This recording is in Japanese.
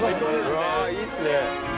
うわいいっすね。